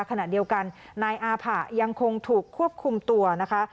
ขณะเดียวกันนายอาผะยังคงถูกควบคุมตัวนะคะ